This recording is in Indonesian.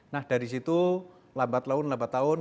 nah dari situ lambat laun lambat tahun